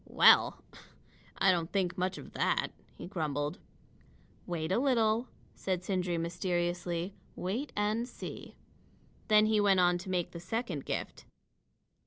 "Well! I don't think much of that," he grumbled. "Wait a little," said Sindri mysteriously. "Wait and see." Then he went on to make the second gift.